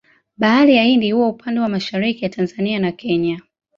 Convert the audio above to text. Bahari Hindi huwa upande mwa mashariki ya Tanzania na Kenya.